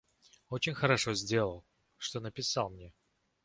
Очень хорошо сделал, что написал мне.